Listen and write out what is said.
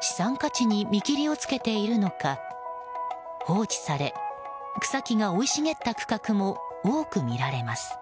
資産価値に見切りをつけているのか放置され草木が生い茂った区画も多く見られます。